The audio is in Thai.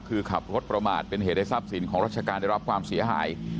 คือขับรถประมาทเป็นเหตุให้ทรัพย์สินของราชการได้รับความเสียหาย